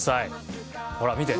ほら見て。